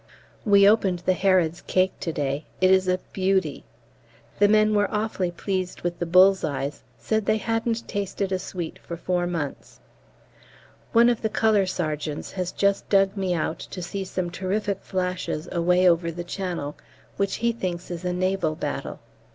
We opened the Harrod's cake to day; it is a beauty. The men were awfully pleased with the bull's eyes, said they hadn't tasted a sweet for four months. One of the C.S. has just dug me out to see some terrific flashes away over the Channel, which he thinks is a naval battle.